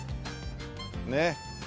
ねっ。